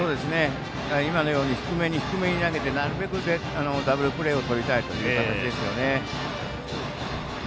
やはり今のように低めに低めに投げて、なるべくダブルプレーをとりたいという形ですよね。